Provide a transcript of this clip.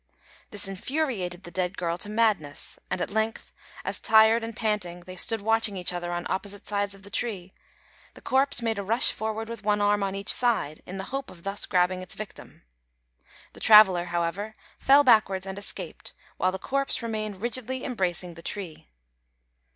This infuriated the dead girl to madness; and at length, as tired and panting they stood watching each other on opposite sides of the tree, the corpse made a rush forward with one arm on each side in the hope of thus grabbing its victim. The traveller, however, fell backwards and escaped, while the corpse remained rigidly embracing the tree.